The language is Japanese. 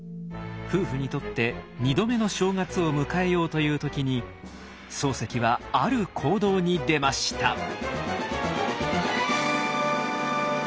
夫婦にとって２度目の正月を迎えようという時に漱石はある行動に出ました。